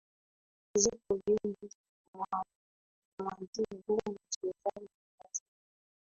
zipo binu za kumuadhibu mchezaji katika